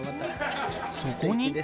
そこに。